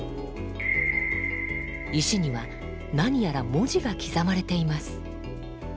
石には何やら文字が刻まれています。